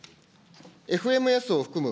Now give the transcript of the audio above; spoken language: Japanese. ＦＭＳを含む